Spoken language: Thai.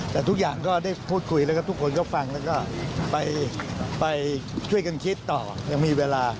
แต่ทุกอย่างก็ได้พูดคุยแล้วก็ทุกคนก็ฟังแล้วก็ไปช่วยกันคิดต่อยังมีเวลา